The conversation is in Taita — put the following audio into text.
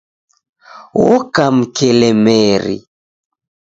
Oka mkelemeri